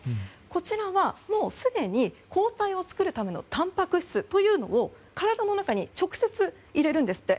こちらはもうすでに抗体を作るためのたんぱく質を体の中に直接、入れるんですって。